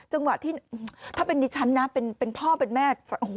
จังหวะที่ถ้าเป็นดิฉันนะเป็นพ่อเป็นแม่